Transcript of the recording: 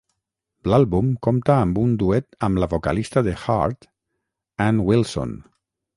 L'àlbum compta amb un duet amb la vocalista de Heart, Ann Wilson.